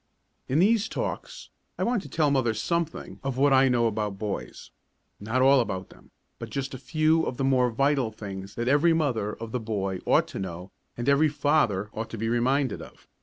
In these talks I want to tell mothers something of what I know about boys; not all about them, but just a few of the more vital things that every mother of a boy ought to know and every father ought to be reminded of.